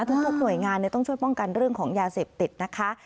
ทุกหน่วยงานต้องช่วยป้องกันเรื่องของยาเสพติดนะคะ